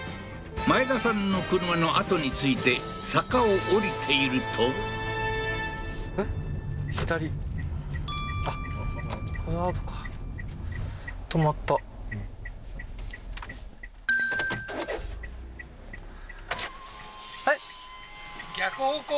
前田さんの車のあとについて坂を下りているとあっハザードかはい？